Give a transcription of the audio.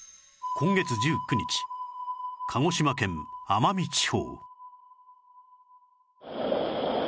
今月１９日鹿児島県奄美地方